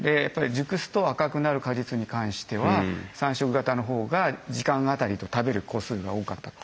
やっぱり熟すと赤くなる果実に関しては３色型の方が時間当たりで言うと食べる個数が多かった。